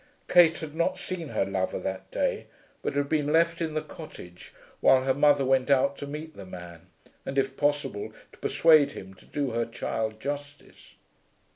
Kate had not seen her lover that day, but had been left in the cottage while her mother went out to meet the man, and if possible to persuade him to do her child justice.